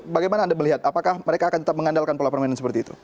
bagaimana anda melihat apakah mereka akan tetap mengandalkan pola permainan seperti itu